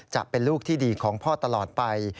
จะเป็นลูกที่ดีของพ่อตลอดไป